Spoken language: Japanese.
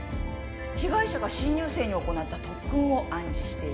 被害者が新入生に行った特訓を暗示している？